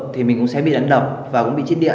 thì mình cũng sẽ bị đánh đập và cũng bị chết đĩ